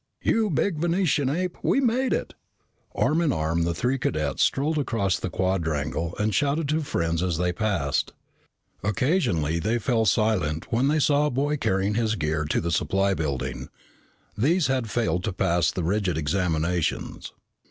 "You big Venusian ape, we made it." Arm in arm, the three cadets strolled across the quadrangle and shouted to friends they passed. Occasionally they fell silent when they saw a boy carrying his gear to the supply building. These had failed to pass the rigid examinations.